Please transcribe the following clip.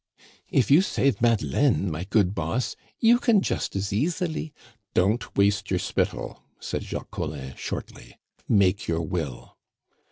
"If you save Madeleine, my good boss, you can just as easily " "Don't waste your spittle," said Jacques Collin shortly. "Make your will."